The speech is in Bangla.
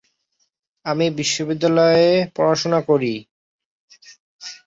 তিনি তেল আবিব বিশ্ববিদ্যালয়ে অধ্যয়ন করেন এবং ইতিহাসে স্নাতক ডিগ্রী অর্জন করেন।